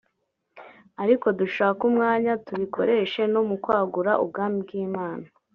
ariko dushake umwanya tubikoreshe no mu kwagura ubwami bw’Imana